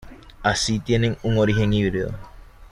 Así tiene un origen híbrido.